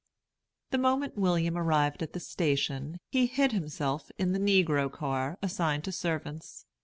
The moment William arrived at the station, he hid himself in the "negro car" assigned to servants.